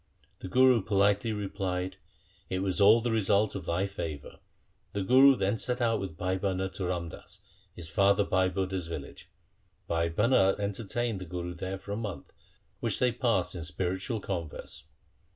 The Guru politely replied, ' It was all the result of thy favour.' The Guru then set out with Bhai Bhana to Ramdas, his father Bhai Budha's village. Bhai Bhana entertained the Guru there for a month, which they passed in spiritual converse.